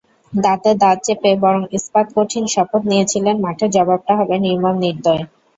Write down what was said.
দাঁতে দাঁত চেপে বরং ইস্পাতকঠিন শপথ নিয়েছিলেন, মাঠের জবাবটা হবে নির্মম, নির্দয়।